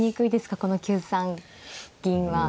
この９三銀は。